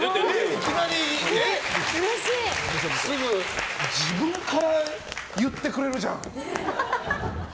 いきなり？自分から言ってくれるじゃん。